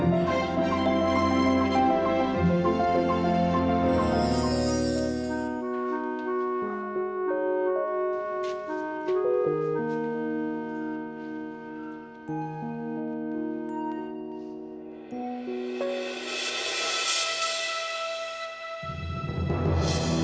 makasih banget ya ken